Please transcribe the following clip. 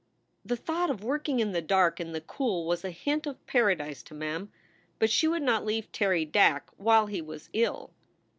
The thought of working in the dark and the cool was a hint of Paradise to Mem, but she would not leave Terry Dack while he was ill.